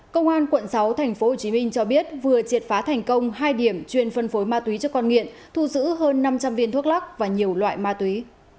công an quận sáu tp hcm cho biết vừa triệt phá thành công hai điểm chuyên phân phối ma túy cho con nghiện thu giữ hơn năm trăm linh viên thuốc lắc và nhiều loại ma túy